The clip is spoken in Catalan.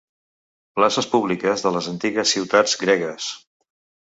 Places públiques de les antigues ciutats gregues.